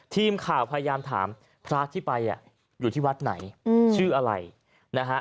ทีมข่าวพยายามถามพระที่ไปอยู่ที่วัดไหนชื่ออะไรนะฮะ